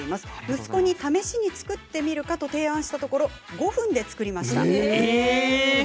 息子に試しに作ってみるかと提案したら５分で作りました。